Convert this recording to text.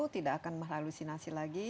tidak akan menghalusinasi lagi